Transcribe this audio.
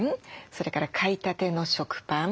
それから買いたての食パン。